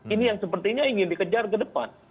ini yang sepertinya ingin dikejar kedepan